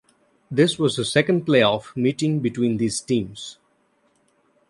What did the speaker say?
This was the second playoff meeting between these teams.